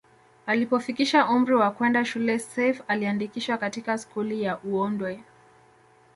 Alipofikisha umri wa kwenda shule Seif aliandikishwa katika skuli ya uondwe